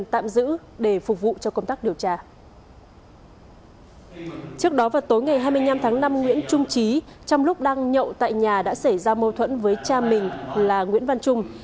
trước đó vào tối ngày hai mươi năm tháng năm nguyễn trung trí trong lúc đang nhậu tại nhà đã xảy ra mâu thuẫn với cha mình là nguyễn văn trung